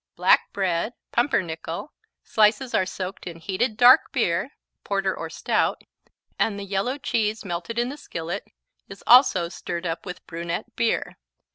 Black bread (pumpernickel) slices are soaked in heated dark beer (porter or stout) and the yellow cheese melted in the skillet is also stirred up with brunette beer.